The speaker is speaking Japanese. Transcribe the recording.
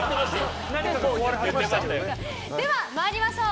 では参りましょう。